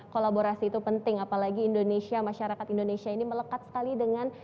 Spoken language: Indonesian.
kolaborasi itu penting apalagi indonesia masyarakat indonesia ini melekat sekali dengan